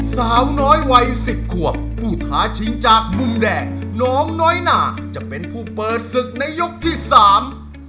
สาวน้อยวัยสิบขวบผู้ท้าชิงจากมุมแดงน้องน้อยนาจะเป็นผู้เปิดศึกในยกที่สาม